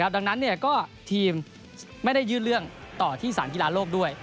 ดังนั้นทีมไม่ได้ยื่นเรื่องต่อที่สารกีฬาโลกด้วย